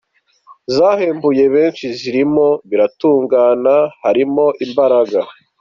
zahembuye benshi zirimo ‘Biratungana’, ‘Hari imbaraga’